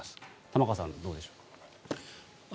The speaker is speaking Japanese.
玉川さん、どうでしょう。